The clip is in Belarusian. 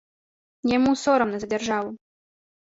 Яму сорамна за дзяржаву.